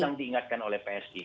yang diingatkan oleh psg